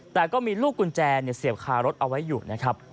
แต่ก็มีลูกกุญแจเสียบคารถเอาไว้อยู่นะครับ